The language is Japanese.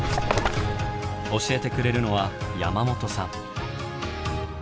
教えてくれるのは山本さん。